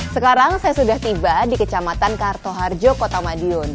sekarang saya sudah tiba di kecamatan kartoharjo kota madiun